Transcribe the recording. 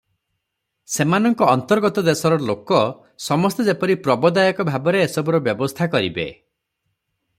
ସେମାନଙ୍କ ଅନ୍ତର୍ଗତ ଦେଶର ଲୋକ ସମସ୍ତେ ଯେପରି ପ୍ରବଦାୟକ ଭାବରେ ଏସବୁର ବ୍ୟବସ୍ଥା କରିବେ ।